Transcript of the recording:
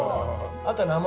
あと名前。